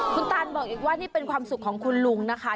คุณตานบอกอีกว่านี่เป็นความสุขของคุณลุงนะคะ